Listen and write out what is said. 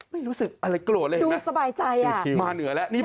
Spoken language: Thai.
ไม่รู้สึกอะไรโกรธเลยเห็นมั้ยมาเหนือแล้วในคิว